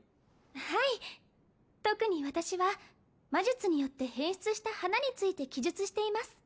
はい特に私は魔術によって変質した花について記述しています